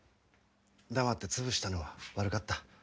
黙って潰したのは悪かった。